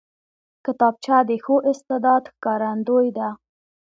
کتابچه د ښو استعداد ښکارندوی ده